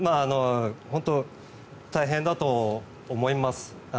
本当に大変だと思います。